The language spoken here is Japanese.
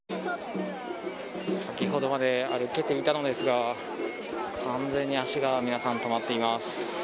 先ほどまで歩けていたのですが完全に足が皆さん止まっています。